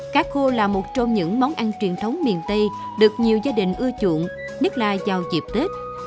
cá khô là một trong những món ăn truyền thống miền tây được nhiều gia đình ưa chuộng nhất là vào dịp tết